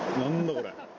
これ。